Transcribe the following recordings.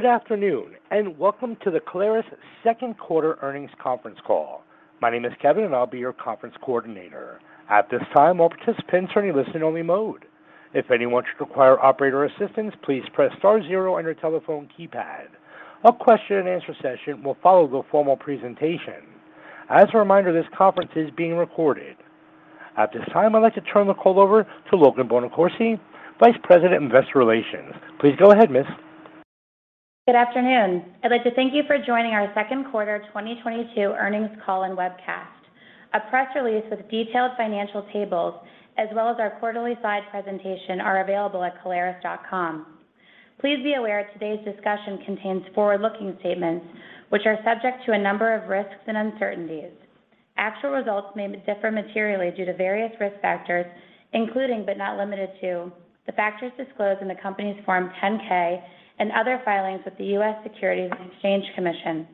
Good afternoon, and welcome to the Caleres Q2 earnings conference call. My name is Kevin, and I'll be your conference coordinator. At this time, all participants are in listen-only mode. If anyone should require operator assistance, please press star zero on your telephone keypad. A question and answer session will follow the formal presentation. As a reminder, this conference is being recorded. At this time, I'd like to turn the call over to Logan Bonacorsi, Vice President of Investor Relations. Please go ahead, Miss. Good afternoon. I'd like to thank you for joining our Q2 2022 earnings call and webcast. A press release with detailed financial tables, as well as our quarterly slide presentation are available at caleres.com. Please be aware today's discussion contains forward-looking statements which are subject to a number of risks and uncertainties. Actual results may differ materially due to various risk factors, including, but not limited to, the factors disclosed in the company's Form 10-K and other filings with the U.S. Securities and Exchange Commission.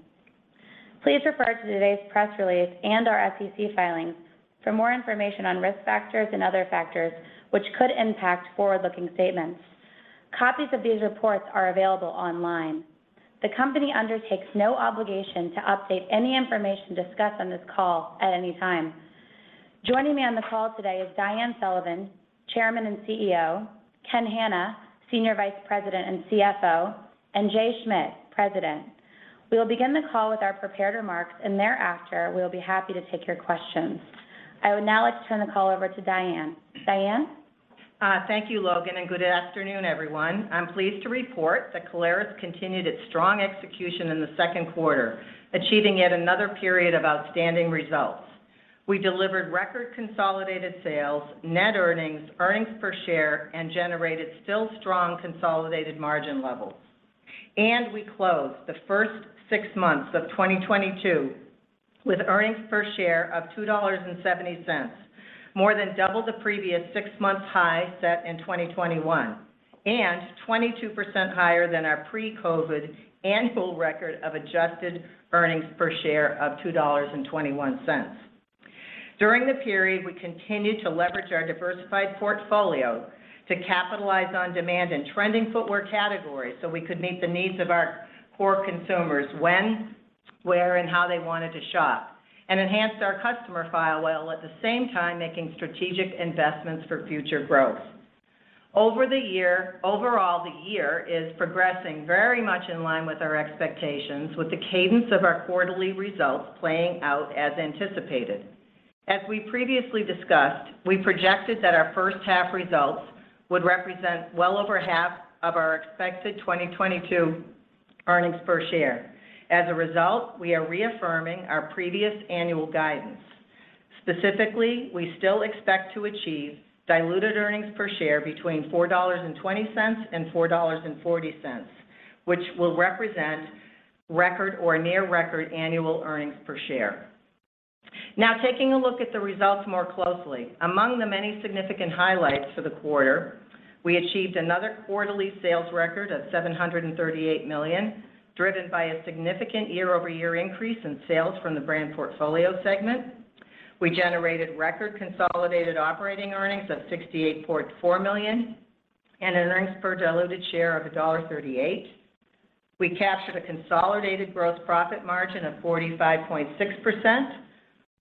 Please refer to today's press release and our SEC filings for more information on risk factors and other factors which could impact forward-looking statements. Copies of these reports are available online. The company undertakes no obligation to update any information discussed on this call at any time. Joining me on the call today is Diane Sullivan, Chairman and CEO, Kenneth Hannah, Senior Vice President and CFO, and Jay Schmidt, President. We will begin the call with our prepared remarks, and thereafter we will be happy to take your questions. I would now like to turn the call over to Diane. Diane? Thank you, Logan, and good afternoon, everyone. I'm pleased to report that Caleres continued its strong execution in the Q2, achieving yet another period of outstanding results. We delivered record consolidated sales, net earnings per share, and generated still strong consolidated margin levels. We closed the first six months of 2022 with earnings per share of $2.70, more than double the previous six-month high set in 2021, and 22% higher than our pre-COVID annual record of adjusted earnings per share of $2.21. During the period, we continued to leverage our diversified portfolio to capitalize on demand in trending footwear categories, so we could meet the needs of our core consumers when, where, and how they wanted to shop, and enhanced our customer file while at the same time making strategic investments for future growth. Overall, the year is progressing very much in line with our expectations, with the cadence of our quarterly results playing out as anticipated. As we previously discussed, we projected that our H1 results would represent well over half of our expected 2022 earnings per share. As a result, we are reaffirming our previous annual guidance. Specifically, we still expect to achieve diluted earnings per share between $4.20 and $4.40, which will represent record or near record annual earnings per share. Now taking a look at the results more closely. Among the many significant highlights for the quarter, we achieved another quarterly sales record of $738 million, driven by a significant year-over-year increase in sales from the brand portfolio segment. We generated record consolidated operating earnings of $68.4 million and an earnings per diluted share of $1.38. We captured a consolidated gross profit margin of 45.6%,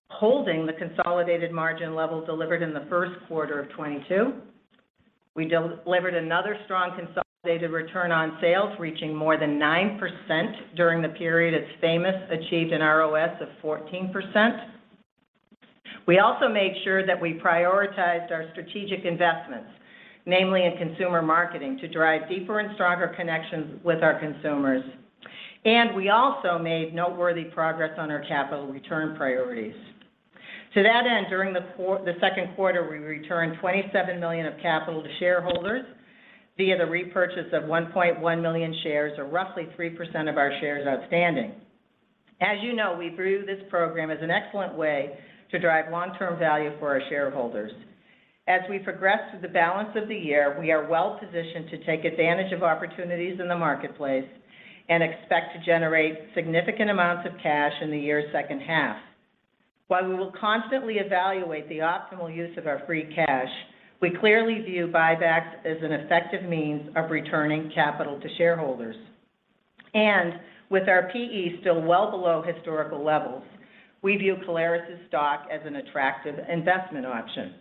holding the consolidated margin level delivered in the first quarter of 2022. We delivered another strong consolidated return on sales, reaching more than 9% during the period as Famous achieved an ROS of 14%. We also made sure that we prioritized our strategic investments, namely in consumer marketing, to drive deeper and stronger connections with our consumers. We also made noteworthy progress on our capital return priorities. To that end, during the Q2, we returned $27 million of capital to shareholders via the repurchase of 1.1 million shares, or roughly 3% of our shares outstanding. As you know, we view this program as an excellent way to drive long-term value for our shareholders. As we progress through the balance of the year, we are well positioned to take advantage of opportunities in the marketplace and expect to generate significant amounts of cash in the year's H2. While we will constantly evaluate the optimal use of our free cash, we clearly view buybacks as an effective means of returning capital to shareholders. With our PE still well below historical levels, we view Caleres' stock as an attractive investment option.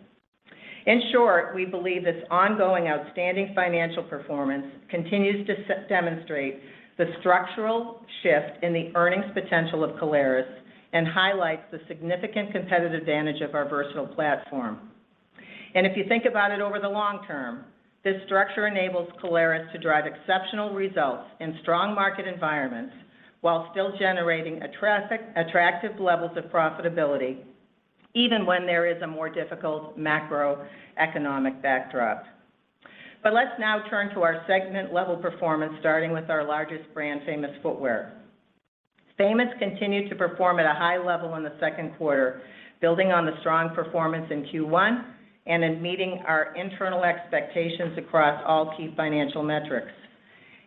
In short, we believe this ongoing outstanding financial performance continues to demonstrate the structural shift in the earnings potential of Caleres and highlights the significant competitive advantage of our versatile platform. If you think about it over the long term, this structure enables Caleres to drive exceptional results in strong market environments while still generating attractive levels of profitability even when there is a more difficult macroeconomic backdrop. Let's now turn to our segment-level performance, starting with our largest brand, Famous Footwear. Famous continued to perform at a high level in the Q2, building on the strong performance in Q1 and in meeting our internal expectations across all key financial metrics.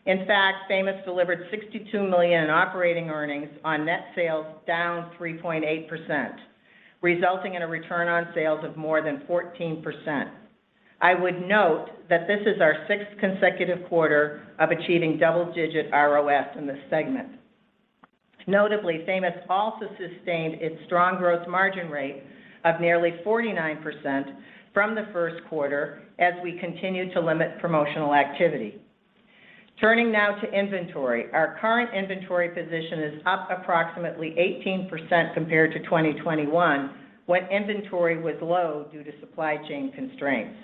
In fact, Famous delivered $62 million in operating earnings on net sales down 3.8%, resulting in a return on sales of more than 14%. I would note that this is our sixth consecutive quarter of achieving double-digit ROS in this segment. Notably, Famous also sustained its strong growth margin rate of nearly 49% from the first quarter as we continue to limit promotional activity. Turning now to inventory. Our current inventory position is up approximately 18% compared to 2021 when inventory was low due to supply chain constraints.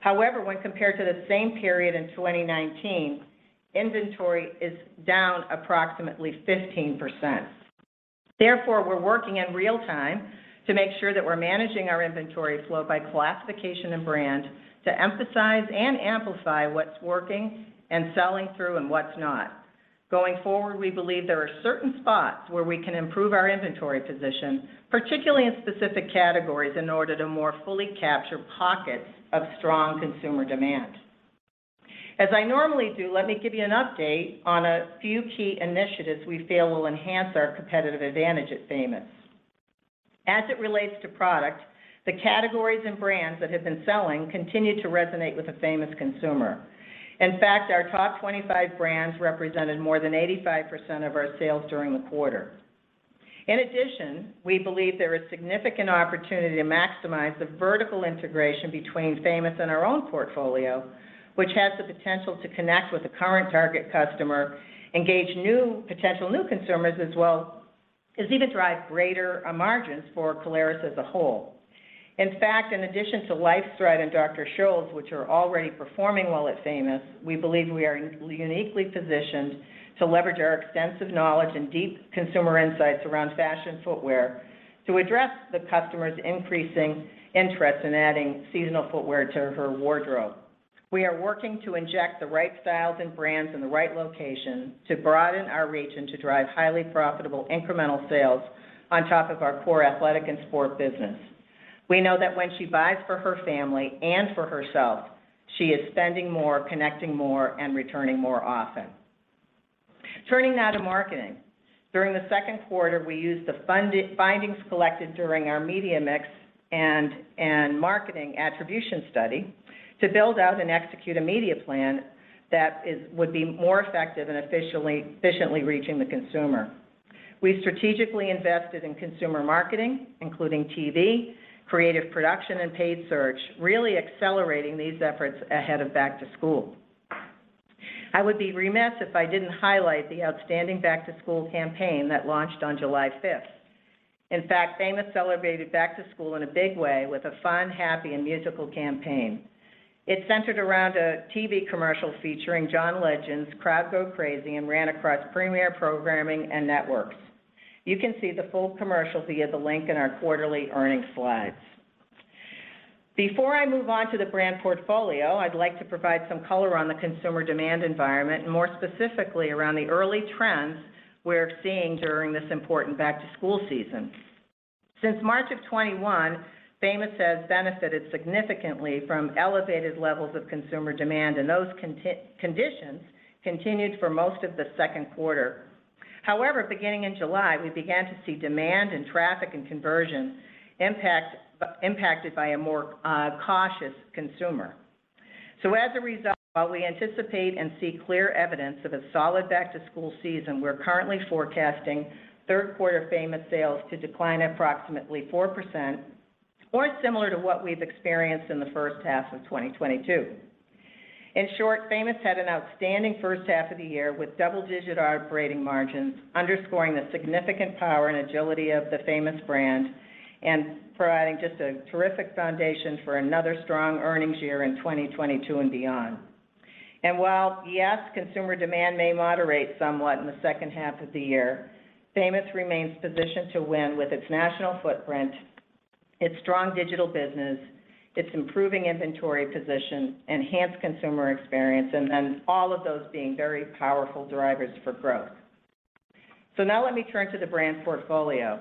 However, when compared to the same period in 2019, inventory is down approximately 15%. Therefore, we're working in real time to make sure that we're managing our inventory flow by classification and brand to emphasize and amplify what's working and selling through and what's not. Going forward, we believe there are certain spots where we can improve our inventory position, particularly in specific categories, in order to more fully capture pockets of strong consumer demand. As I normally do, let me give you an update on a few key initiatives we feel will enhance our competitive advantage at Famous. As it relates to product, the categories and brands that have been selling continue to resonate with the Famous consumer. In fact, our top 25 brands represented more than 85% of our sales during the quarter. In addition, we believe there is significant opportunity to maximize the vertical integration between Famous and our own portfolio, which has the potential to connect with the current target customer, engage potential new consumers as well as even drive greater margins for Caleres as a whole. In fact, in addition to LifeStride and Dr. Scholl's, which are already performing well at Famous, we believe we are uniquely positioned to leverage our extensive knowledge and deep consumer insights around fashion footwear to address the customer's increasing interest in adding seasonal footwear to her wardrobe. We are working to inject the right styles and brands in the right locations to broaden our reach and to drive highly profitable incremental sales on top of our core athletic and sport business. We know that when she buys for her family and for herself, she is spending more, connecting more, and returning more often. Turning now to marketing. During the Q2, we used the findings collected during our media mix and marketing attribution study to build out and execute a media plan that would be more effective in efficiently reaching the consumer. We strategically invested in consumer marketing, including TV, creative production, and paid search, really accelerating these efforts ahead of back to school. I would be remiss if I didn't highlight the outstanding back to school campaign that launched on July fifth. In fact, Famous celebrated back to school in a big way with a fun, happy, and musical campaign. It centered around a TV commercial featuring John Legend's "Crowd Go Crazy" and ran across premier programming and networks. You can see the full commercial via the link in our quarterly earnings slides. Before I move on to the brand portfolio, I'd like to provide some color on the consumer demand environment and more specifically around the early trends we're seeing during this important back to school season. Since March 2021, Famous has benefited significantly from elevated levels of consumer demand, and those conditions continued for most of the Q2. However, beginning in July, we began to see demand and traffic and conversion impacted by a more, cautious consumer. As a result, while we anticipate and see clear evidence of a solid back to school season, we're currently forecasting Q3 Famous sales to decline approximately 4%, more similar to what we've experienced in the H1 of 2022. In short, Famous had an outstanding H1 of the year with double-digit operating margins, underscoring the significant power and agility of the Famous brand and providing just a terrific foundation for another strong earnings year in 2022 and beyond. While, yes, consumer demand may moderate somewhat in the H2 of the year, Famous remains positioned to win with its national footprint, its strong digital business, its improving inventory position, enhanced consumer experience, and all of those being very powerful drivers for growth. Now let me turn to the brand portfolio.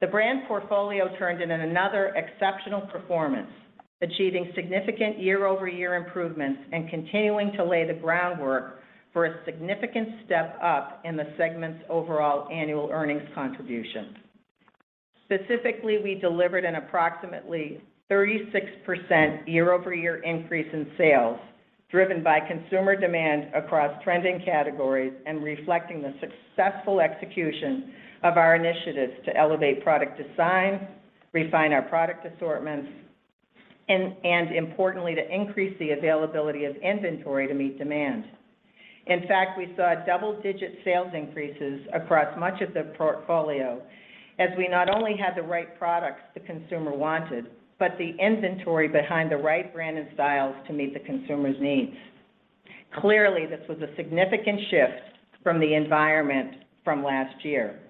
The brand portfolio turned in another exceptional performance, achieving significant year-over-year improvements and continuing to lay the groundwork for a significant step up in the segment's overall annual earnings contribution. Specifically, we delivered an approximately 36% year-over-year increase in sales, driven by consumer demand across trending categories and reflecting the successful execution of our initiatives to elevate product design, refine our product assortments, and importantly, to increase the availability of inventory to meet demand. In fact, we saw double-digit sales increases across much of the portfolio as we not only had the right products the consumer wanted, but the inventory behind the right brand and styles to meet the consumer's needs. Clearly, this was a significant shift from the environment from last year.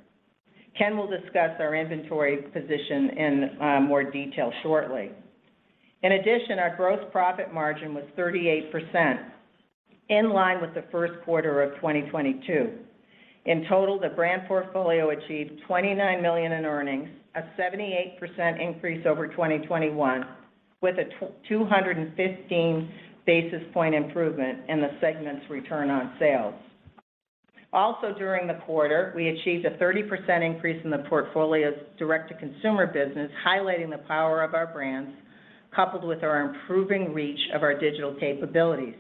Ken will discuss our inventory position in more detail shortly. In addition, our gross profit margin was 38%, in line with the first quarter of 2022. In total, the Brand Portfolio achieved $29 million in earnings, a 78% increase over 2021, with a 215 basis point improvement in the segment's return on sales. Also during the quarter, we achieved a 30% increase in the portfolio's direct-to-consumer business, highlighting the power of our brands coupled with our improving reach of our digital capabilities.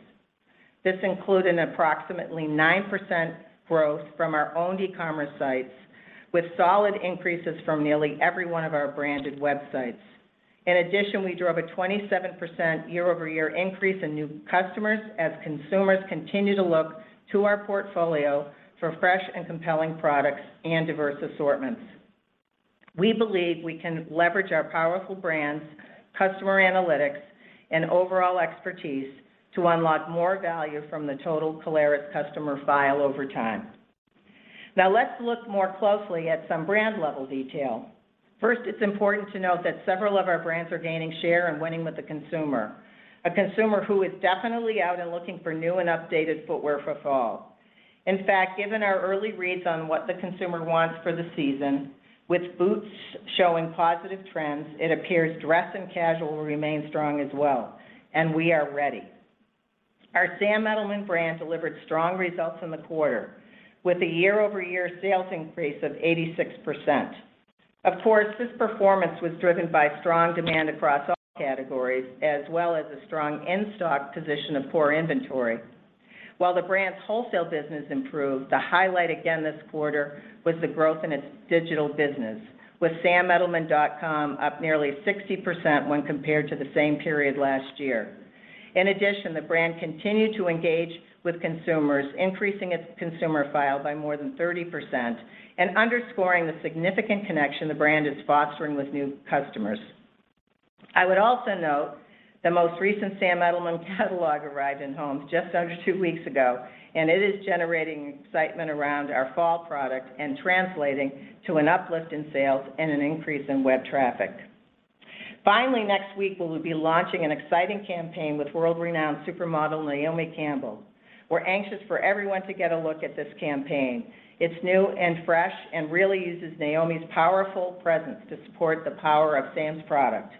This included an approximately 9% growth from our own e-commerce sites with solid increases from nearly every one of our branded websites. In addition, we drove a 27% year-over-year increase in new customers as consumers continue to look to our portfolio for fresh and compelling products and diverse assortments. We believe we can leverage our powerful brands, customer analytics, and overall expertise to unlock more value from the total Caleres customer file over time. Now let's look more closely at some brand-level detail. First, it's important to note that several of our brands are gaining share and winning with the consumer, a consumer who is definitely out and looking for new and updated footwear for fall. In fact, given our early reads on what the consumer wants for the season, with boots showing positive trends, it appears dress and casual will remain strong as well, and we are ready. Our Sam Edelman brand delivered strong results in the quarter, with a year-over-year sales increase of 86%. Of course, this performance was driven by strong demand across all categories as well as a strong in-stock position of low inventory. While the brand's wholesale business improved, the highlight again this quarter was the growth in its digital business, with samedelman.com up nearly 60% when compared to the same period last year. In addition, the brand continued to engage with consumers, increasing its consumer file by more than 30% and underscoring the significant connection the brand is fostering with new customers. I would also note the most recent Sam Edelman catalog arrived in homes just under two weeks ago, and it is generating excitement around our fall product and translating to an uplift in sales and an increase in web traffic. Finally, next week we will be launching an exciting campaign with world-renowned supermodel Naomi Campbell. We're anxious for everyone to get a look at this campaign. It's new and fresh and really uses Naomi's powerful presence to support the power of Sam's product.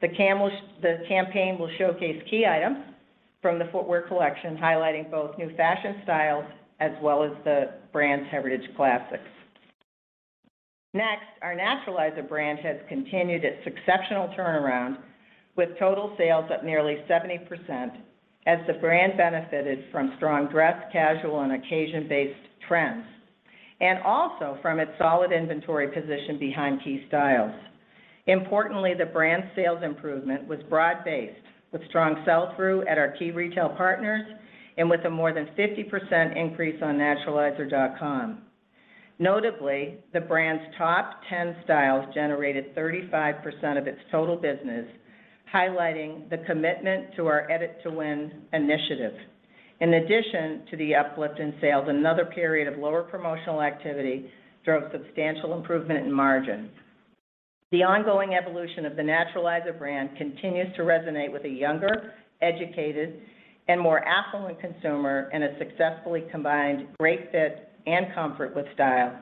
The campaign will showcase key items from the footwear collection, highlighting both new fashion styles as well as the brand's heritage classics. Next, our Naturalizer brand has continued its exceptional turnaround, with total sales up nearly 70% as the brand benefited from strong dress, casual, and occasion-based trends, and also from its solid inventory position behind key styles. Importantly, the brand's sales improvement was broad-based, with strong sell-through at our key retail partners and with a more than 50% increase on naturalizer.com. Notably, the brand's top 10 styles generated 35% of its total business, highlighting the commitment to our Edit to Win initiative. In addition to the uplift in sales, another period of lower promotional activity drove substantial improvement in margin. The ongoing evolution of the Naturalizer brand continues to resonate with a younger, educated, and more affluent consumer and has successfully combined great fit and comfort with style.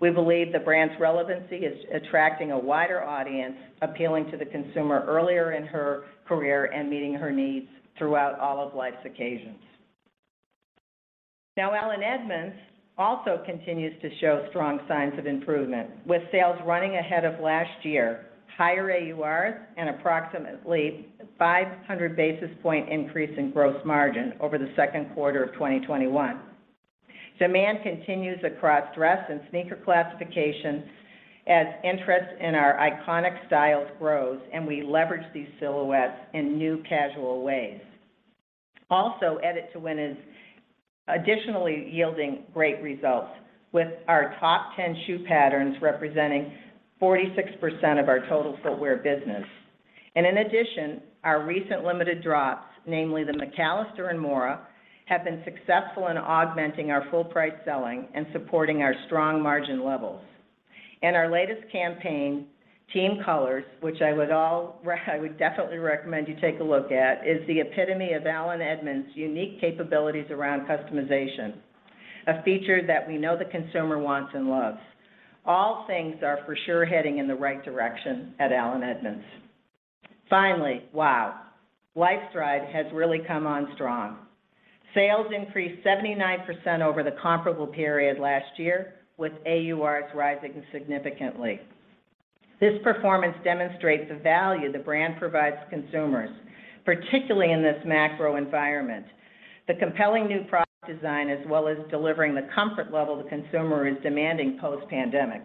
We believe the brand's relevancy is attracting a wider audience, appealing to the consumer earlier in her career and meeting her needs throughout all of life's occasions. Now, Allen Edmonds also continues to show strong signs of improvement, with sales running ahead of last year, higher AURs, and approximately 500 basis point increase in gross margin over the Q2 of 2021. Demand continues across dress and sneaker classifications as interest in our iconic styles grows, and we leverage these silhouettes in new casual ways. Also, Edit to Win is additionally yielding great results, with our top 10 shoe patterns representing 46% of our total footwear business. In addition, our recent limited drops, namely the McAllister and Mora, have been successful in augmenting our full price selling and supporting our strong margin levels. Our latest campaign, Team Colors, which I would definitely recommend you take a look at, is the epitome of Allen Edmonds' unique capabilities around customization, a feature that we know the consumer wants and loves. All things are for sure heading in the right direction at Allen Edmonds. Finally, wow, LifeStride has really come on strong. Sales increased 79% over the comparable period last year, with AURs rising significantly. This performance demonstrates the value the brand provides consumers, particularly in this macro environment. The compelling new product design as well as delivering the comfort level the consumer is demanding post-pandemic.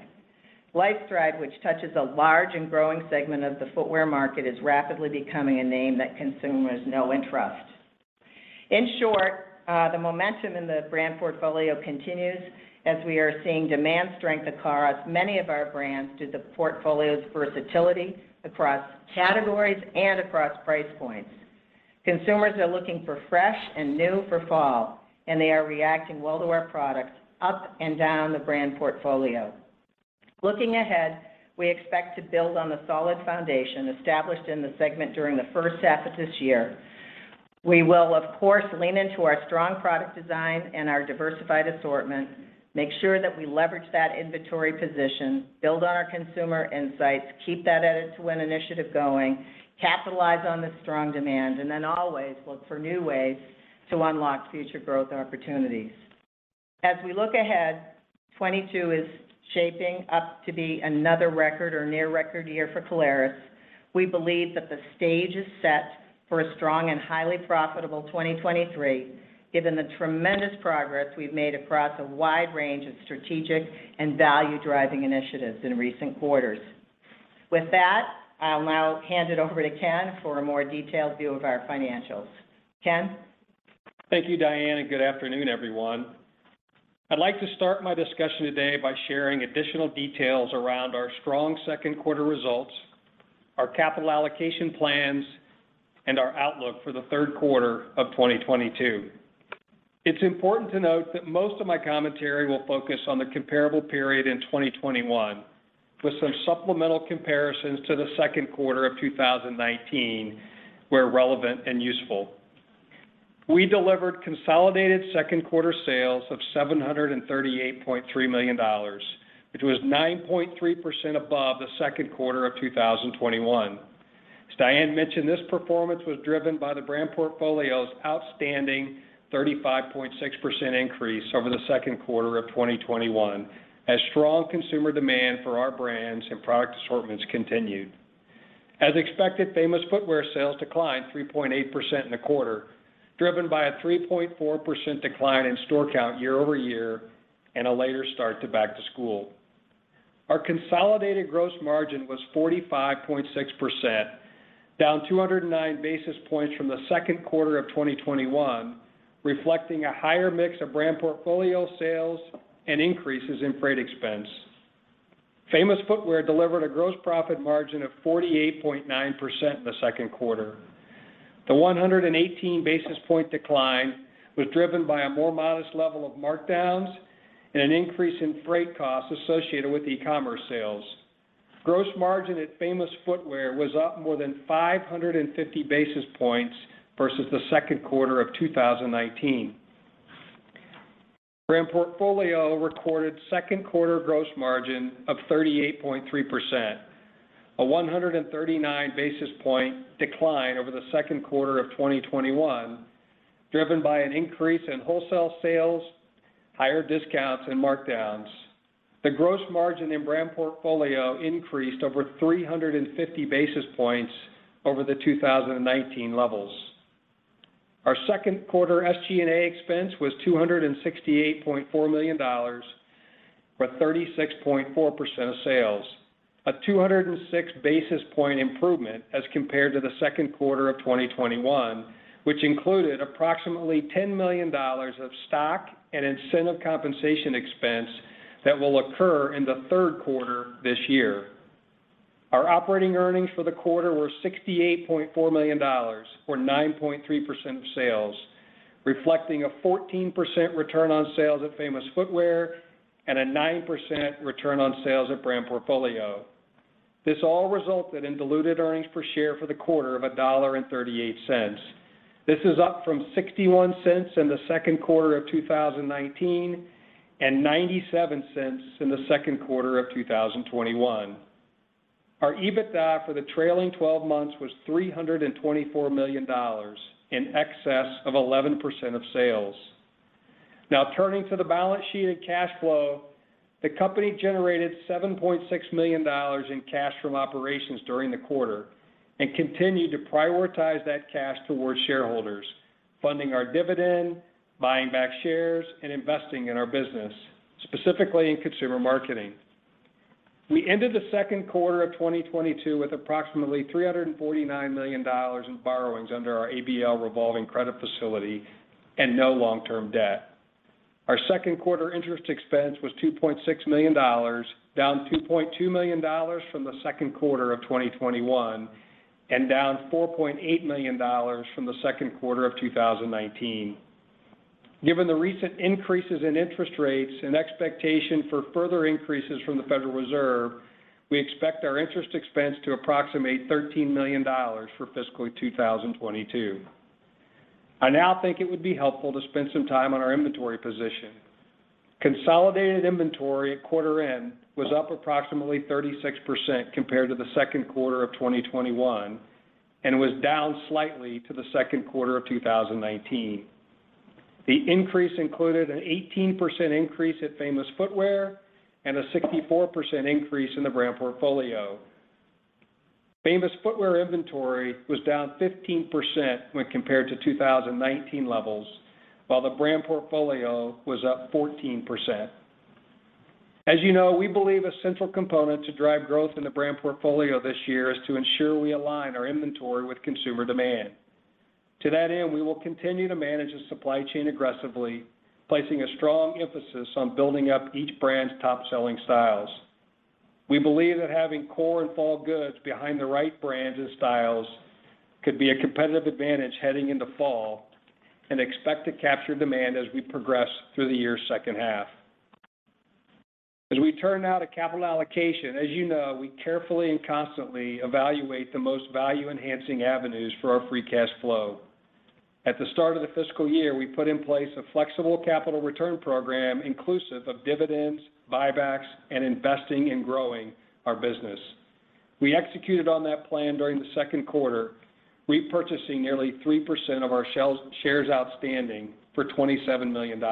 LifeStride, which touches a large and growing segment of the footwear market, is rapidly becoming a name that consumers know and trust. In short, the momentum in the Brand Portfolio continues as we are seeing demand strength across many of our brands due to portfolio's versatility across categories and across price points. Consumers are looking for fresh and new for fall, and they are reacting well to our products up and down the Brand Portfolio. Looking ahead, we expect to build on the solid foundation established in the segment during the H1 of this year. We will of course lean into our strong product design and our diversified assortment. Make sure that we leverage that inventory position, build on our consumer insights, keep that Edit to Win initiative going, capitalize on the strong demand, and then always look for new ways to unlock future growth and opportunities. As we look ahead, 2022 is shaping up to be another record or near record year for Caleres. We believe that the stage is set for a strong and highly profitable 2023, given the tremendous progress we've made across a wide range of strategic and value-driving initiatives in recent quarters. With that, I'll now hand it over to Ken for a more detailed view of our financials. Ken? Thank you, Diane, and good afternoon, everyone. I'd like to start my discussion today by sharing additional details around our strong Q2 results, our capital allocation plans, and our outlook for the Q3 of 2022. It's important to note that most of my commentary will focus on the comparable period in 2021, with some supplemental comparisons to the Q2 of 2019 where relevant and useful. We delivered consolidated Q2 sales of $738.3 million, which was 9.3% above the Q2 of 2021. As Diane mentioned, this performance was driven by the Brand Portfolio's outstanding 35.6% increase over the Q2 of 2021 as strong consumer demand for our brands and product assortments continued. As expected, Famous Footwear sales declined 3.8% in the quarter, driven by a 3.4% decline in store count year-over-year and a later start to back to school. Our consolidated gross margin was 45.6%, down 209 basis points from the Q2 of 2021, reflecting a higher mix of Brand Portfolio sales and increases in freight expense. Famous Footwear delivered a gross profit margin of 48.9% in the Q2. The 118 basis point decline was driven by a more modest level of markdowns and an increase in freight costs associated with e-commerce sales. Gross margin at Famous Footwear was up more than 550 basis points versus the Q2 of 2019. Brand Portfolio recorded Q2 gross margin of 38.3%, a 139 basis point decline over the Q2 of 2021, driven by an increase in wholesale sales, higher discounts, and markdowns. The gross margin in Brand Portfolio increased over 350 basis points over the 2019 levels. Our Q2 SG&A expense was $268.4 million, or 36.4% of sales, a 206 basis point improvement as compared to the Q2 of 2021, which included approximately $10 million of stock and incentive compensation expense that will occur in the Q3 this year. Our operating earnings for the quarter were $68.4 million, or 9.3% of sales, reflecting a 14% return on sales at Famous Footwear and a 9% return on sales at Brand Portfolio. This all resulted in diluted earnings per share for the quarter of $1.38. This is up from $0.61 in the Q2 of 2019 and $0.97 in the Q2 of 2021. Our EBITDA for the trailing 12 months was $324 million, in excess of 11% of sales. Now turning to the balance sheet and cash flow, the company generated $7.6 million in cash from operations during the quarter and continued to prioritize that cash towards shareholders, funding our dividend, buying back shares, and investing in our business, specifically in consumer marketing. We ended the Q2 of 2022 with approximately $349 million in borrowings under our ABL revolving credit facility and no long-term debt. Our Q2 interest expense was $2.6 million, down $2.2 million from the Q2 of 2021 and down $4.8 million from the Q2 of 2019. Given the recent increases in interest rates and expectation for further increases from the Federal Reserve, we expect our interest expense to approximate $13 million for fiscal 2022. I now think it would be helpful to spend some time on our inventory position. Consolidated inventory at quarter end was up approximately 36% compared to the Q2 of 2021 and was down slightly to the Q2 of 2019. The increase included an 18% increase at Famous Footwear and a 64% increase in the Brand Portfolio. Famous Footwear inventory was down 15% when compared to 2019 levels, while the Brand Portfolio was up 14%. As you know, we believe a central component to drive growth in the Brand Portfolio this year is to ensure we align our inventory with consumer demand. To that end, we will continue to manage the supply chain aggressively, placing a strong emphasis on building up each brand's top-selling styles. We believe that having core and fall goods behind the right brands and styles could be a competitive advantage heading into fall and expect to capture demand as we progress through the year's H2. as we turn now to capital allocation, as you know, we carefully and constantly evaluate the most value-enhancing avenues for our free cash flow. At the start of the fiscal year, we put in place a flexible capital return program inclusive of dividends, buybacks, and investing in growing our business. We executed on that plan during the Q2, repurchasing nearly 3% of our shares outstanding for $27 million.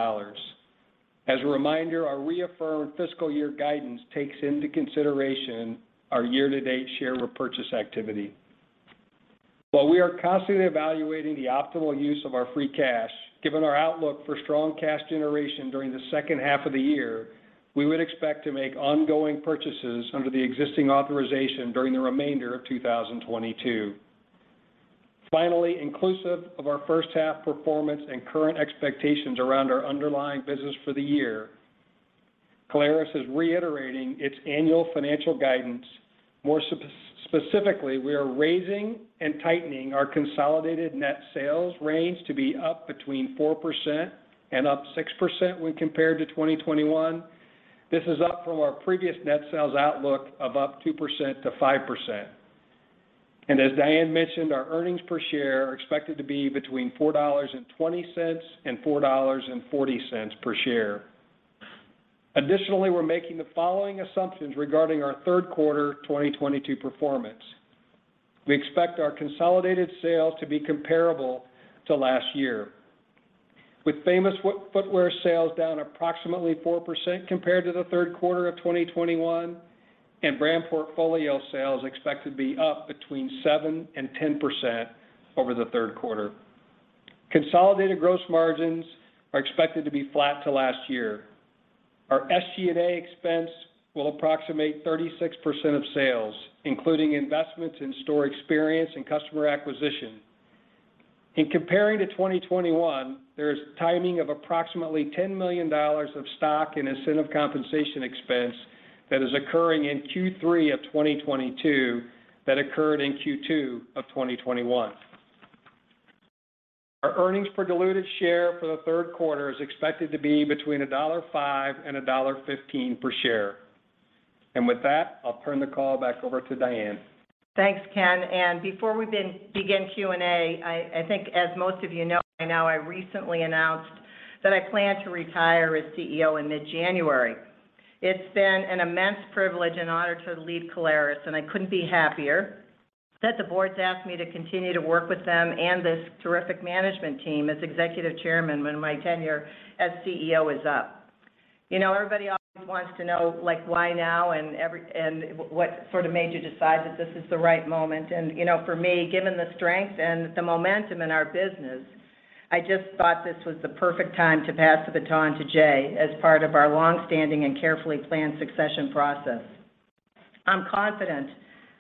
As a reminder, our reaffirmed fiscal year guidance takes into consideration our year-to-date share repurchase activity. While we are constantly evaluating the optimal use of our free cash, given our outlook for strong cash generation during the H2 of the year, we would expect to make ongoing purchases under the existing authorization during the remainder of 2022. Finally, inclusive of our H1 performance and current expectations around our underlying business for the year, Caleres is reiterating its annual financial guidance. Specifically, we are raising and tightening our consolidated net sales range to be up between 4% and up 6% when compared to 2021. This is up from our previous net sales outlook of up 2%-5%. As Diane mentioned, our earnings per share are expected to be between $4.20 and $4.40 per share. Additionally, we're making the following assumptions regarding our Q3 2022 performance. We expect our consolidated sales to be comparable to last year, with Famous Footwear sales down approximately 4% compared to the Q3 of 2021, and Brand Portfolio sales expected to be up between 7% and 10% over the Q3. Consolidated gross margins are expected to be flat to last year. Our SG&A expense will approximate 36% of sales, including investments in store experience and customer acquisition. In comparing to 2021, there is timing of approximately $10 million of stock and incentive compensation expense that is occurring in Q3 of 2022 that occurred in Q2 of 2021. Our earnings per diluted share for the Q3 is expected to be between $1.05 and $1.15 per share. With that, I'll turn the call back over to Diane. Thanks, Ken. Before we begin Q&A, I think as most of you know by now, I recently announced that I plan to retire as CEO in mid-January. It's been an immense privilege and honor to lead Caleres, and I couldn't be happier that the board's asked me to continue to work with them and this terrific management team as executive chairman when my tenure as CEO is up. You know, everybody always wants to know, like, why now and what sort of made you decide that this is the right moment? You know, for me, given the strength and the momentum in our business, I just thought this was the perfect time to pass the baton to Jay as part of our long-standing and carefully planned succession process. I'm confident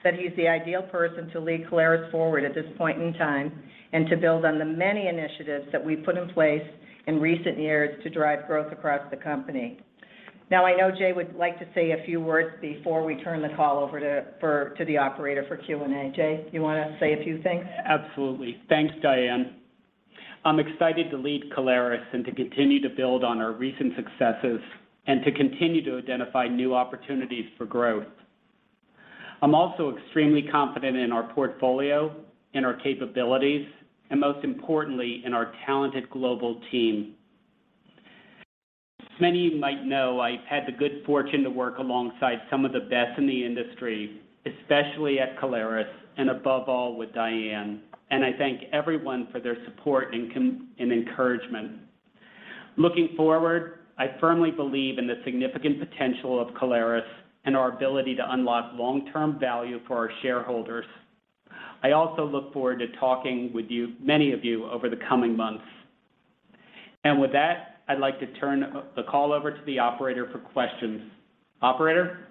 that he's the ideal person to lead Caleres forward at this point in time and to build on the many initiatives that we've put in place in recent years to drive growth across the company. Now, I know Jay would like to say a few words before we turn the call over to the operator for Q&A. Jay, you wanna say a few things? Absolutely. Thanks, Diane. I'm excited to lead Caleres and to continue to build on our recent successes and to continue to identify new opportunities for growth. I'm also extremely confident in our portfolio and our capabilities, and most importantly, in our talented global team. As many of you might know, I've had the good fortune to work alongside some of the best in the industry, especially at Caleres, and above all with Diane, and I thank everyone for their support and encouragement. Looking forward, I firmly believe in the significant potential of Caleres and our ability to unlock long-term value for our shareholders. I also look forward to talking with many of you over the coming months. With that, I'd like to turn the call over to the operator for questions. Operator?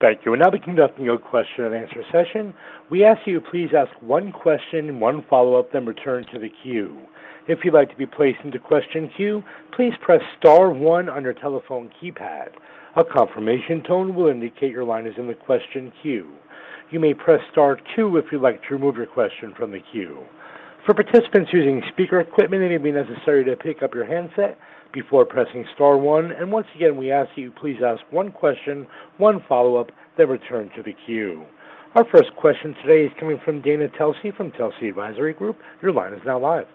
Thank you. We'll now be conducting a question and answer session. We ask you to please ask one question and one follow-up, then return to the queue. If you'd like to be placed into question queue, please press star one on your telephone keypad. A confirmation tone will indicate your line is in the question queue. You may press star two if you'd like to remove your question from the queue. For participants using speaker equipment, it may be necessary to pick up your handset before pressing star one. Once again, we ask you please ask one question, one follow-up, then return to the queue. Our first question today is coming from Dana Telsey from Telsey Advisory Group. Your line is now live.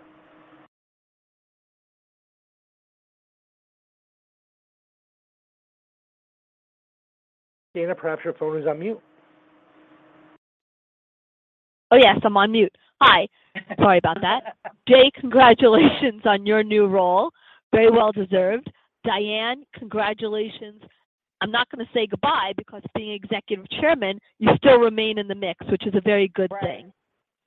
Dana, perhaps your phone is on mute. Oh, yes, I'm on mute. Hi. Sorry about that. Jay, congratulations on your new role. Very well deserved. Diane, congratulations. I'm not gonna say goodbye because being Executive Chairman, you still remain in the mix, which is a very good thing.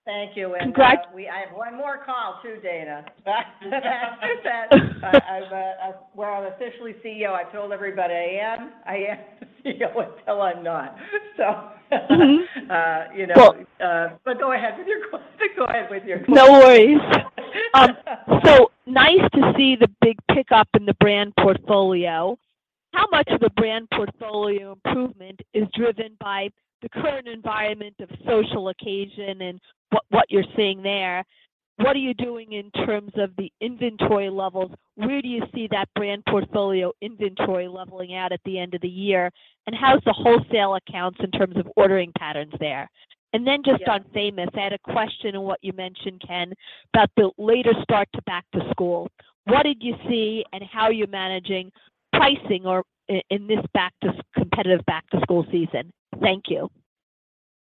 Right. Thank you. Congrats. I have one more call too, Dana. As, as— Well, I'm officially CEO. I told everybody I am. I am the CEO until I'm not. So Mm-hmm You know. Well- Go ahead with your question. No worries. Nice to see the big pickup in the Brand Portfolio. How much of the Brand Portfolio improvement is driven by the current environment of social occasion and what you're seeing there? What are you doing in terms of the inventory levels? Where do you see that Brand Portfolio inventory leveling out at the end of the year? How's the wholesale accounts in terms of ordering patterns there? Yeah. Just on Famous, I had a question on what you mentioned, Ken, about the later start to back to school. What did you see and how are you managing pricing or in this competitive back to school season? Thank you.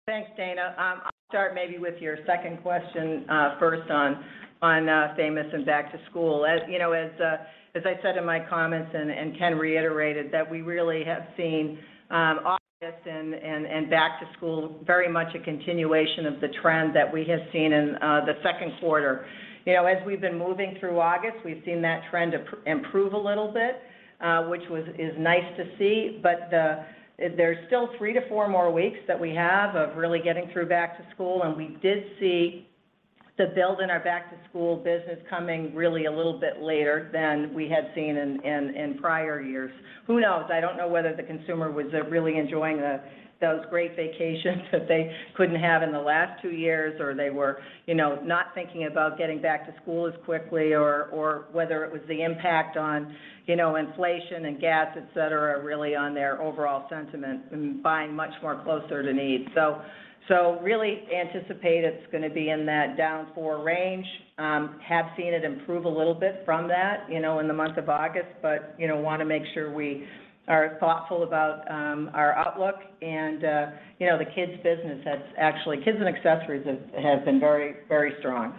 Thanks, Dana. I'll start maybe with your second question first on Famous and back to school. As you know, as I said in my comments and Ken reiterated that we really have seen August and back to school very much a continuation of the trend that we have seen in the Q2. You know, as we've been moving through August, we've seen that trend improve a little bit, which is nice to see. But there's still three-four more weeks that we have of really getting through back to school, and we did see the build in our back to school business coming really a little bit later than we had seen in prior years. Who knows? I don't know whether the consumer was really enjoying those great vacations that they couldn't have in the last two years, or they were, you know, not thinking about getting back to school as quickly or whether it was the impact on, you know, inflation and gas, et cetera, really on their overall sentiment and buying much more closer to need. Really anticipate it's gonna be in that down 4% range. Have seen it improve a little bit from that, you know, in the month of August, but, you know, wanna make sure we are thoughtful about our outlook. You know, kids and accessories has been very, very strong.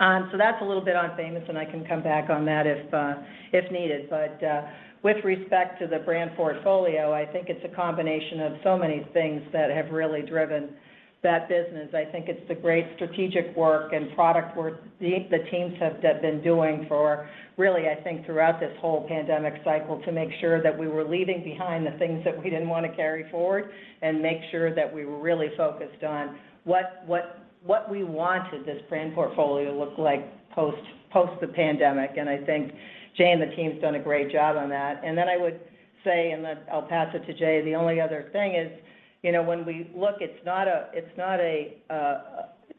That's a little bit on Famous, and I can come back on that if needed. With respect to the Brand Portfolio, I think it's a combination of so many things that have really driven that business. I think it's the great strategic work and product work the teams have been doing for really I think throughout this whole pandemic cycle to make sure that we were leaving behind the things that we didn't wanna carry forward and make sure that we were really focused on what we wanted this Brand Portfolio to look like post the pandemic. I think Jay and the team's done a great job on that. Then I would say, I'll pass it to Jay, the only other thing is, you know, when we look, it's not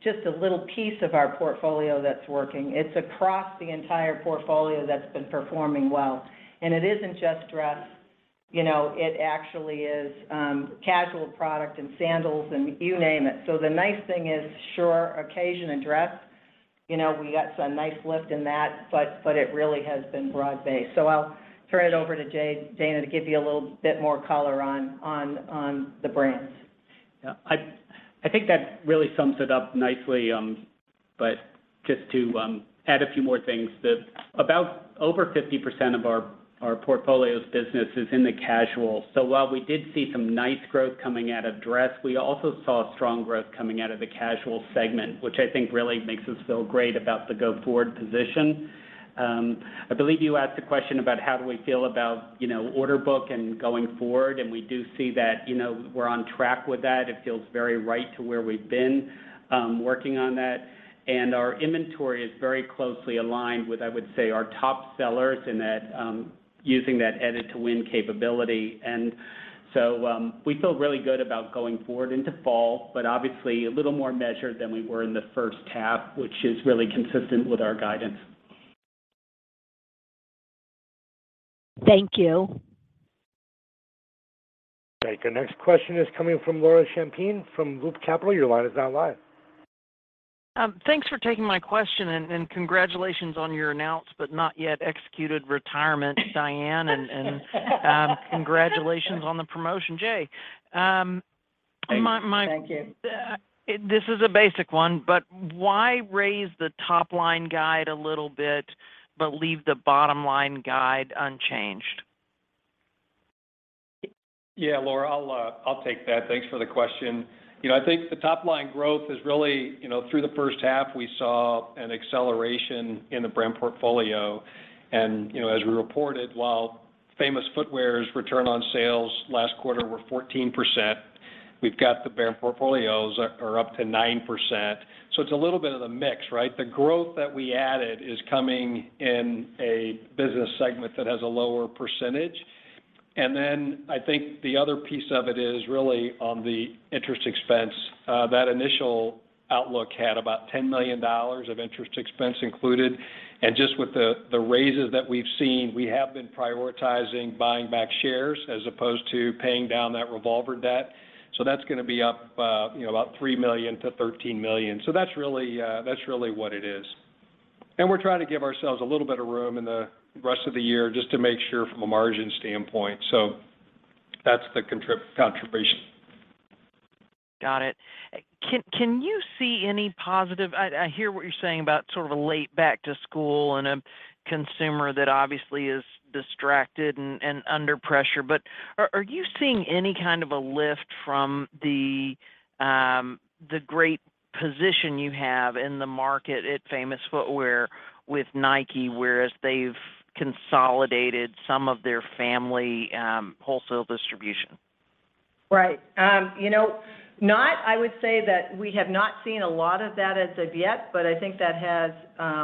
just a little piece of our portfolio that's working, it's across the entire portfolio that's been performing well. It isn't just dress. You know, it actually is casual product and sandals and you name it. The nice thing is, sure, occasion and dress, you know, we got some nice lift in that, but it really has been broad-based. I'll turn it over to Jay, Dana, to give you a little bit more color on the brands. Yeah. I think that really sums it up nicely. Just to add a few more things. About over 50% of our portfolio's business is in the casual. While we did see some nice growth coming out of dress, we also saw strong growth coming out of the casual segment, which I think really makes us feel great about the go-forward position. I believe you asked a question about how do we feel about, you know, order book and going forward, and we do see that, you know, we're on track with that. It feels very right to where we've been working on that. Our inventory is very closely aligned with, I would say, our top sellers in that, using that Edit to Win capability. We feel really good about going forward into fall, but obviously a little more measured than we were in the H1, which is really consistent with our guidance. Thank you. Great. The next question is coming from Laura Champine from Loop Capital. Your line is now live. Thanks for taking my question, and congratulations on your announced but not yet executed retirement, Diane. Congratulations on the promotion, Jay. Thank you. This is a basic one, but why raise the top line guide a little bit but leave the bottom line guide unchanged? Yeah, Laura. I'll take that. Thanks for the question. You know, I think the top line growth is really. You know, through the H1, we saw an acceleration in the Brand Portfolio. You know, as we reported, while Famous Footwear's return on sales last quarter were 14%, we've got the Brand Portfolios are up to 9%. It's a little bit of the mix, right? The growth that we added is coming in a business segment that has a lower percentage. I think the other piece of it is really on the interest expense. That initial outlook had about $10 million of interest expense included. Just with the raises that we've seen, we have been prioritizing buying back shares as opposed to paying down that revolver debt. That's gonna be up, you know, about $3 million-$13 million. That's really what it is. We're trying to give ourselves a little bit of room in the rest of the year just to make sure from a margin standpoint. That's the contribution. Got it. Can you see any positive? I hear what you're saying about sort of a late back to school and a consumer that obviously is distracted and under pressure. Are you seeing any kind of a lift from the great position you have in the market at Famous Footwear with Nike, whereas they've consolidated some of their family wholesale distribution? Right. You know, not I would say that we have not seen a lot of that as of yet, but I think that has,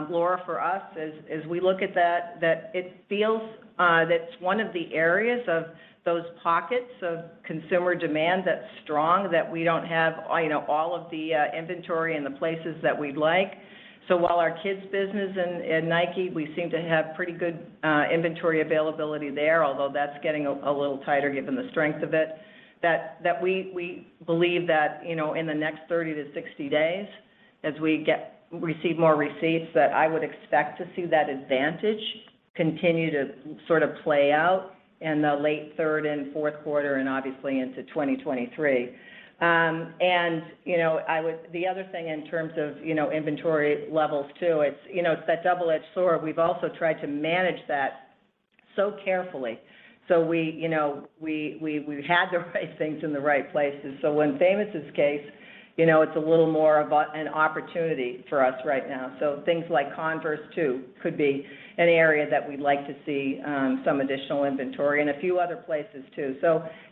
Laura, for us as we look at that, it feels that's one of the areas of those pockets of consumer demand that's strong that we don't have, you know, all of the inventory in the places that we'd like. While our kids business in Nike, we seem to have pretty good inventory availability there, although that's getting a little tighter given the strength of it, we believe that, you know, in the next 30-60 days as we receive more receipts, I would expect to see that advantage continue to sort of play out in the late third and Q4, and obviously into 2023. The other thing in terms of, you know, inventory levels too, it's, you know, it's that double-edged sword. We've also tried to manage that so carefully, so we, you know, we had the right things in the right places. In Famous' case, you know, it's a little more of an opportunity for us right now. Things like Converse too could be an area that we'd like to see some additional inventory, and a few other places too.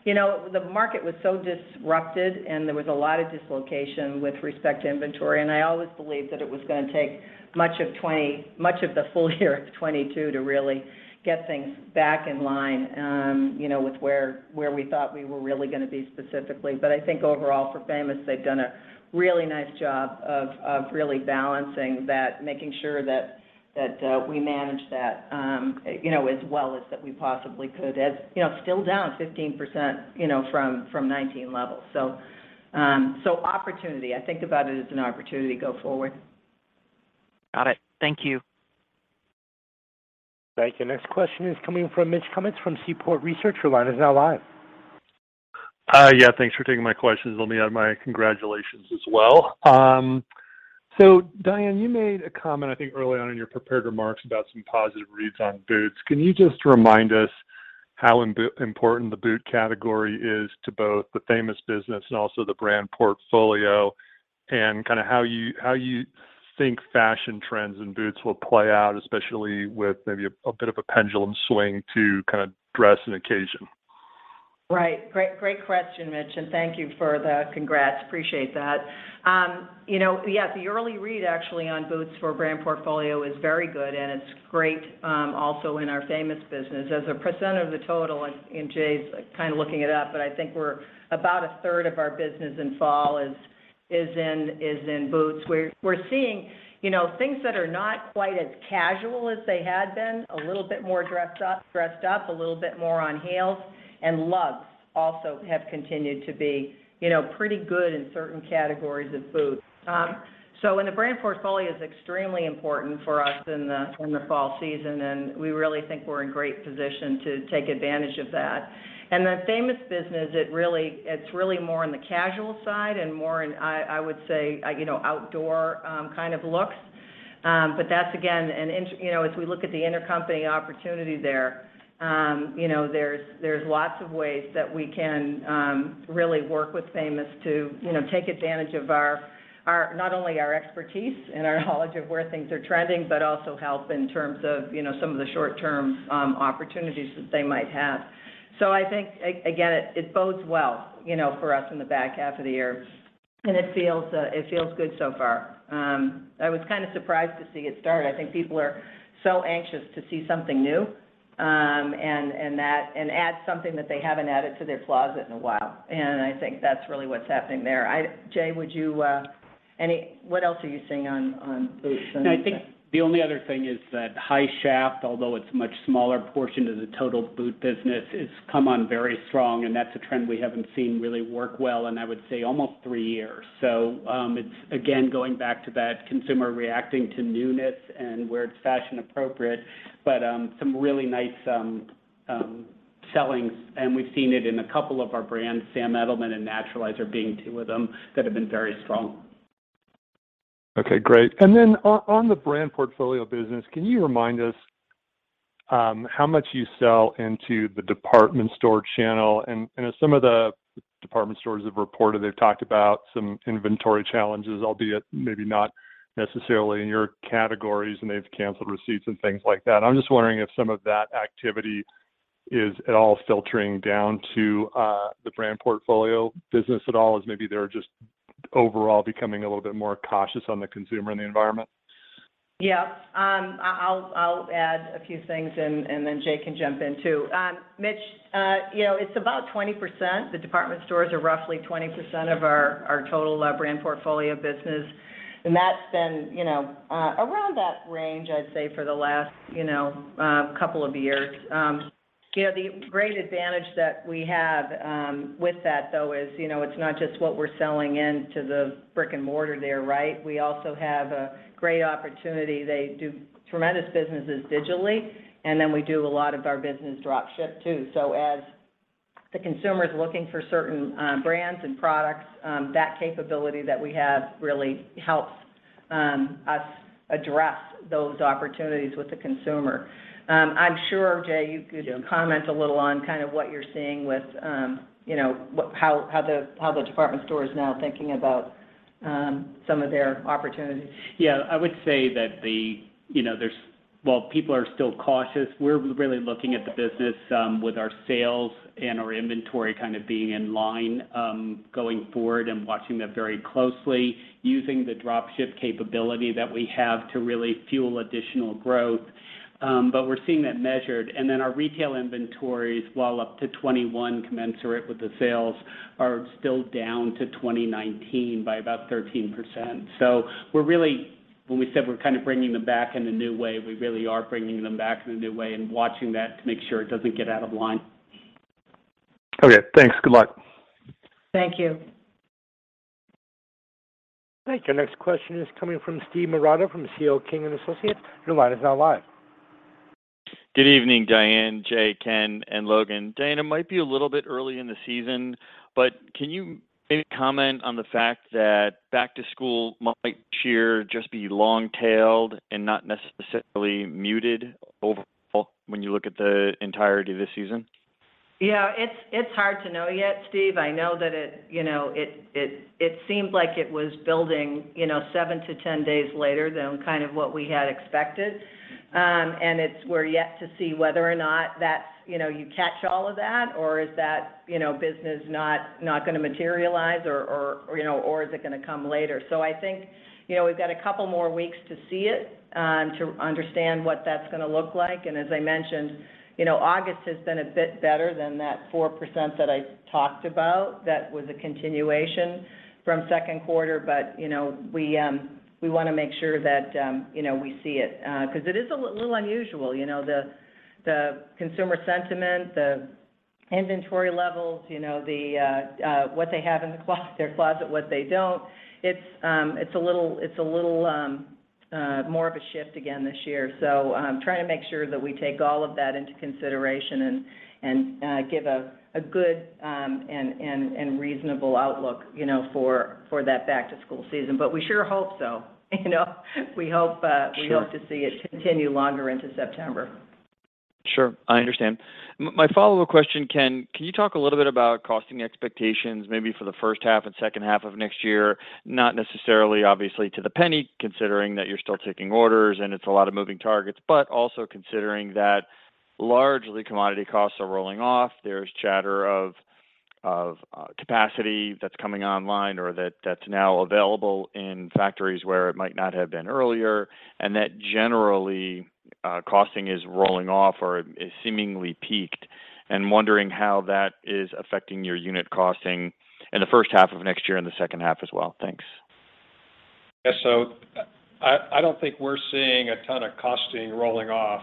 You know, the market was so disrupted, and there was a lot of dislocation with respect to inventory, and I always believed that it was gonna take much of 2020 - much of the full year of 2022 to really get things back in line, you know, with where we thought we were really gonna be specifically. I think overall for Famous, they've done a really nice job of really balancing that, making sure that we manage that, you know, as well as we possibly could. You know, still down 15%, you know, from 2019 levels. Opportunity. I think about it as an opportunity go forward. Got it. Thank you. Thank you. Next question is coming from Mitch Kummetz from Seaport Research. Your line is now live. Yeah, thanks for taking my questions. Let me add my congratulations as well. So Diane, you made a comment I think early on in your prepared remarks about some positive reads on boots. Can you just remind us how important the boot category is to both the Famous business and also the Brand Portfolio, and kinda how you think fashion trends in boots will play out, especially with maybe a bit of a pendulum swing to kind of dress and occasion? Right. Great question, Mitch, and thank you for the congrats. Appreciate that. You know, yeah, the early read actually on boots for Brand Portfolio is very good, and it's great also in our Famous business. As a % of the total, and Jay's kind of looking it up, but I think we're about a third of our business in fall is in boots. We're seeing, you know, things that are not quite as casual as they had been, a little bit more dressed up, a little bit more on heels, and lugs also have continued to be, you know, pretty good in certain categories of boots. The Brand Portfolio is extremely important for us in the fall season, and we really think we're in great position to take advantage of that. In the Famous business, it's really more on the casual side and more in, I would say, you know, outdoor kind of looks. That's again, you know, as we look at the intercompany opportunity there, you know, there's lots of ways that we can really work with Famous to, you know, take advantage of our not only our expertise and our knowledge of where things are trending, but also help in terms of, you know, some of the short-term opportunities that they might have. I think again, it bodes well, you know, for us in the back half of the year, and it feels good so far. I was kinda surprised to see it start. I think people are so anxious to see something new, and add something that they haven't added to their closet in a while. I think that's really what's happening there. Jay, would you... What else are you seeing on boots and- I think the only other thing is that high shaft, although it's much smaller portion to the total boot business, it's come on very strong, and that's a trend we haven't seen really work well in I would say almost three years. It's again going back to that consumer reacting to newness and where it's fashion appropriate. Some really nice sellings, and we've seen it in a couple of our brands, Sam Edelman and Naturalizer being two of them, that have been very strong. Okay, great. Then on the Brand Portfolio business, can you remind us how much you sell into the department store channel? As some of the department stores have reported, they've talked about some inventory challenges, albeit maybe not necessarily in your categories, and they've canceled receipts and things like that. I'm just wondering if some of that activity is at all filtering down to the Brand Portfolio business at all, as maybe they're just overall becoming a little bit more cautious on the consumer and the environment? Yeah. I'll add a few things and then Jay can jump in too. Mitch, you know, it's about 20%. The department stores are roughly 20% of our total Brand Portfolio business, and that's been, you know, around that range I'd say for the last, you know, couple of years. You know, the great advantage that we have with that though is, you know, it's not just what we're selling into the brick-and-mortar there, right? We also have a great opportunity. They do tremendous businesses digitally, and then we do a lot of our business drop ship too. So as the consumer's looking for certain brands and products, that capability that we have really helps us address those opportunities with the consumer. I'm sure, Jay, you could Yeah Comment a little on kind of what you're seeing with, you know, how the department store is now thinking about some of their opportunities. Yeah. I would say that. You know, there's Well, people are still cautious. We're really looking at the business, with our sales and our inventory kind of being in line, going forward and watching that very closely, using the drop ship capability that we have to really fuel additional growth. We're seeing that measured. Our retail inventories, while up to 2021 commensurate with the sales, are still down to 2019 by about 13%. When we said we're kind of bringing them back in a new way, we really are bringing them back in a new way and watching that to make sure it doesn't get out of line. Okay, thanks. Good luck. Thank you. Thank you. Next question is coming from Steven Marotta from C.L. King & Associates. Your line is now live. Good evening, Diane, Jay, Ken, and Logan. Diane, it might be a little bit early in the season, but can you maybe comment on the fact that back to school might this year just be long-tailed and not necessarily muted overall when you look at the entirety of this season? Yeah, it's hard to know yet, Steve. I know that, you know, it seems like it was building, you know, seven-10 days later than kind of what we had expected. We're yet to see whether or not that's, you know, you catch all of that or is that, you know, business not gonna materialize or, you know, or is it gonna come later. I think, you know, we've got a couple more weeks to see it, to understand what that's gonna look like. As I mentioned, you know, August has been a bit better than that 4% that I talked about that was a continuation from Q2. You know, we wanna make sure that, you know, we see it, because it is a little unusual. You know, the consumer sentiment, the inventory levels, you know, the what they have in their closet, what they don't, it's a little more of a shift again this year. Trying to make sure that we take all of that into consideration and give a good and reasonable outlook, you know, for that back to school season. We sure hope so, you know? We hope. Sure We hope to see it continue longer into September. Sure. I understand. My follow-up question, Ken, can you talk a little bit about costing expectations maybe for the H1 and H2 of next year? Not necessarily obviously to the penny, considering that you're still taking orders and it's a lot of moving targets, but also considering that largely commodity costs are rolling off. There's chatter of capacity that's coming online or that's now available in factories where it might not have been earlier, and that generally, costing is rolling off or is seemingly peaked. Wondering how that is affecting your unit costing in the H1 of next year and the H2 as well. Thanks. I don't think we're seeing a ton of costs rolling off.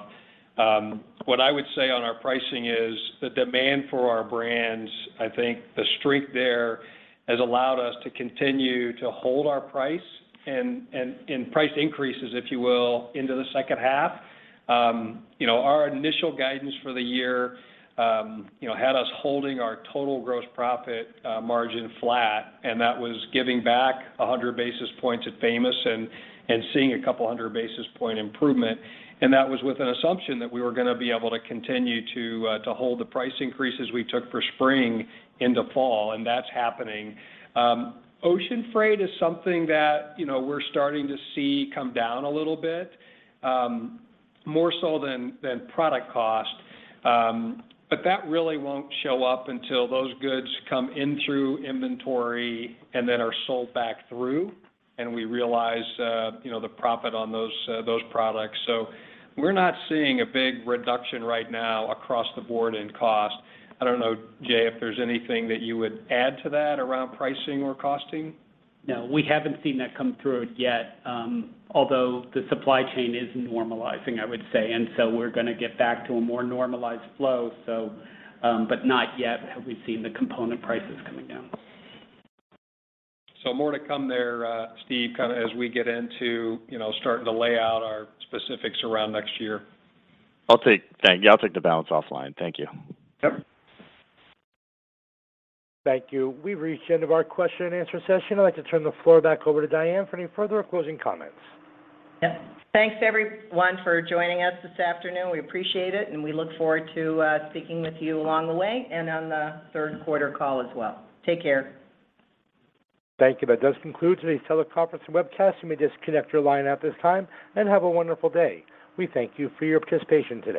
What I would say on our pricing is the demand for our brands, I think the strength there has allowed us to continue to hold our price and price increases, if you will, into the H2. You know, our initial guidance for the year had us holding our total gross profit margin flat, and that was giving back 100 basis points at Famous and seeing a couple hundred basis points improvement, and that was with an assumption that we were gonna be able to continue to hold the price increases we took for spring into fall, and that's happening. Ocean freight is something that, you know, we're starting to see come down a little bit, more so than product cost. That really won't show up until those goods come in through inventory and then are sold back through and we realize, you know, the profit on those products. We're not seeing a big reduction right now across the board in cost. I don't know, Jay, if there's anything that you would add to that around pricing or costing. No, we haven't seen that come through yet. Although the supply chain is normalizing, I would say, and so we're gonna get back to a more normalized flow, so, but not yet have we seen the component prices coming down. More to come there, Steve, kinda as we get into, you know, starting to lay out our specifics around next year. Thank you. I'll take the balance offline. Thank you. Yep. Thank you. We've reached the end of our question and answer session. I'd like to turn the floor back over to Diane for any further closing comments. Yep. Thanks, everyone, for joining us this afternoon. We appreciate it, and we look forward to speaking with you along the way and on the Q3 call as well. Take care. Thank you. That does conclude today's teleconference and webcast. You may disconnect your line at this time, and have a wonderful day. We thank you for your participation today.